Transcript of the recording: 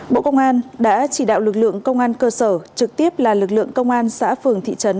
bộ công an đã chỉ đạo lực lượng công an cơ sở trực tiếp là lực lượng công an xã phường thị trấn